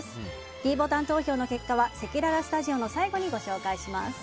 ｄボタン投票の結果はせきららスタジオの最後にご紹介いたします。